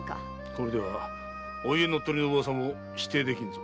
これではお家乗っ取りの噂も否定できぬぞ。